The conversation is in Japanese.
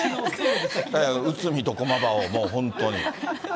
うつみと、こまばを、もう本当に。